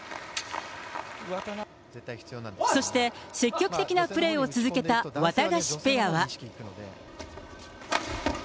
そして積極的なプレーを続けたワタガシペアは。